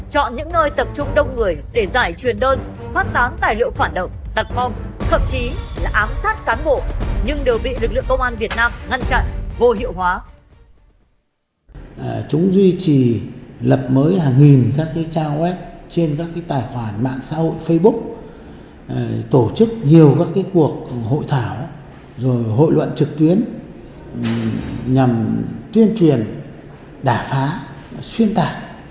chọn những nơi tập trung đông người để giải truyền đơn phát tán tài liệu phản động đặt bom thậm chí là ám sát cán bộ nhưng đều bị lực lượng công an việt nam ngăn chặn vô hiệu hóa